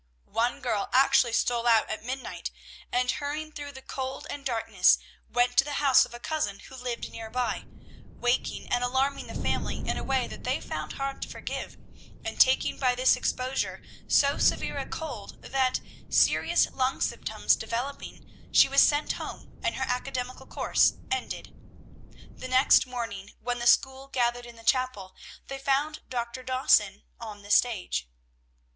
One girl actually stole out at midnight and, hurrying through the cold and darkness, went to the house of a cousin who lived near by, waking and alarming the family in a way that they found hard to forgive, and taking by this exposure so severe a cold that, serious lung symptoms developing, she was sent home, and her academical course ended. The next morning when the school gathered in the chapel, they found Dr. Dawson on the stage.